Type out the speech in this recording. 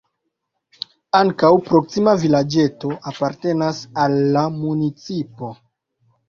Ankaŭ proksima vilaĝeto apartenas al la municipo.